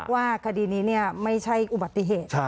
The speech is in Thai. ว่าคดีนี้ไม่ใช่อุบัติเหตุ